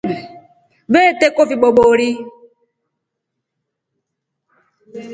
Veeteko vibobori.